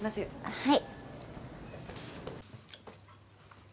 はい。